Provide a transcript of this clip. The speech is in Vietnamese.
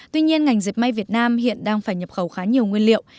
tuy nhiên ngành dẹp may việt nam hiện đang phải nhập khẩu khá nhiều nguyên liệu